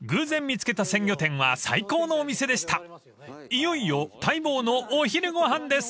［いよいよ待望のお昼ご飯です］